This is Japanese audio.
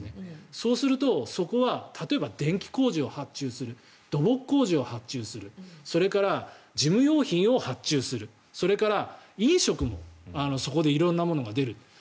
そうすると、そこは例えば電気工事を発注する土木工事を発注するそれから事務用品を発注するそれから飲食もそこで色んなものが出る。